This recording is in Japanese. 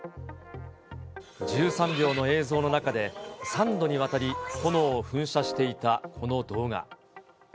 １３秒の映像の中で、３度にわたり炎を噴射していたこの動画。